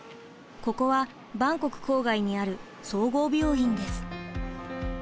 ここはバンコク郊外にある総合病院です。